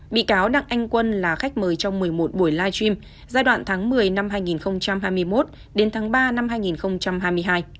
bị cáo đặng anh quân là khách mời trong một mươi một buổi live stream giai đoạn tháng một mươi năm hai nghìn hai mươi một đến tháng ba năm hai nghìn hai mươi hai